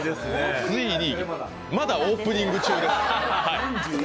まだオープニング中です。